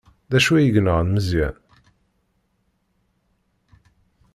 D acu ay yenɣan Meẓyan?